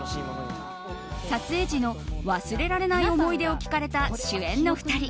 撮影時の忘れられない思い出を聞かれた主演の２人。